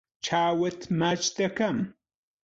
چاوت ماچ دەکەم.